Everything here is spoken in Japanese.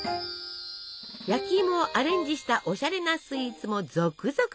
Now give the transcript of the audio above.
焼きいもをアレンジしたおしゃれなスイーツも続々登場！